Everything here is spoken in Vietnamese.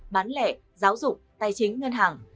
bán lẻ gây thiệt hại lên đến một mươi sáu năm tỷ đồng